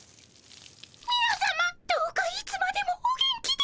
みなさまどうかいつまでもお元気で。